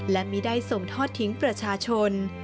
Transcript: และไม่ได้ส่งทอดทิ้งประชาชน